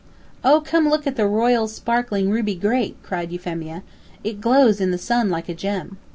"Oh, come look at the Royal Sparkling Ruby grape!" cried Euphemia. "It glows in the sun like a gem."